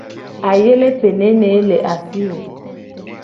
Ayele pe nene ye le asi wo ?